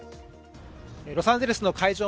ロサンゼルスの会場